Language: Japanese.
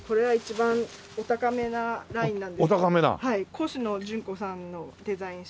コシノジュンコさんのデザインした。